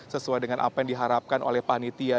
sesuai dengan apa yang diharapkan oleh panitia